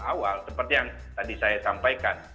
awal seperti yang tadi saya sampaikan